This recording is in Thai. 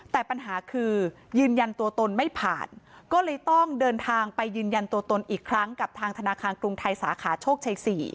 แต่ปัญหาคือยืนยันตัวตนไม่ผ่านก็เลยต้องเดินทางไปยืนยันตัวตนอีกครั้งกับทางธนาคารกรุงไทยสาขาโชคชัย๔